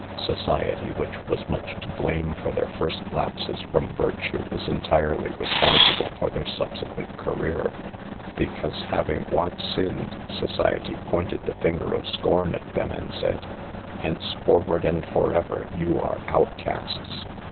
Society, which was much to blame for their first lapses from virtue, is entirely responsible for their subsequent career ; because, having once sinned, society pointed the finger of scorn at them and said: '"Henceforward and forever you are outcasts.